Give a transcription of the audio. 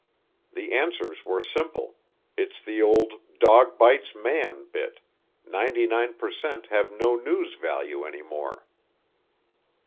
The answers were simple, it's the old "dog bites man" bit ninety nine per cent have no news value any more.